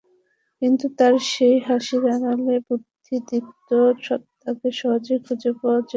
কিন্তু তার সেই হাসির আড়ালে বুদ্ধিদীপ্ত সত্বাকে সহজেই খুঁজে পাওয়া যেত।